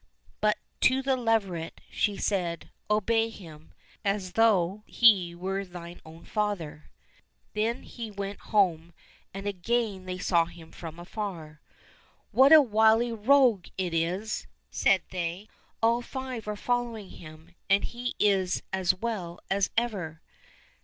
But to the leveret she said, " Obey him, as though he were thine own father." Then he went home, and again they saw him from afar. *' What a wily rogue it is !" said they. " All five are following him, and he is as well as ever